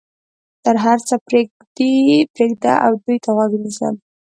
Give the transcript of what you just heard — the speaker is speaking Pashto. نو هر څه پرېږده او دوی ته غوږ ونیسه.